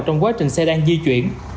trong quá trình xe đang di chuyển